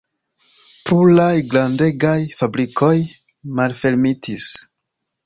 Pluraj grandegaj fabrikoj malfermitis.